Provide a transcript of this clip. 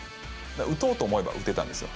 打とうと思えば打てたんですよ。